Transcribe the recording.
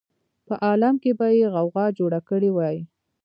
په عالم کې به یې غوغا جوړه کړې وای.